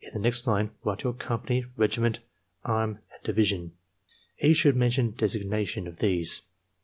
'" "In the next line write your company, regi ment, arm, and division." (E. should mention designation of these.)